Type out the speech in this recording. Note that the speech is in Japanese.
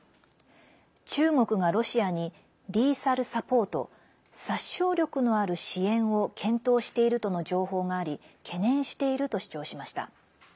中国がロシアにｌｅｔｈａｌｓｕｐｐｏｒｔ＝殺傷力のある支援を検討しているとの情報があり懸念していると主張しました。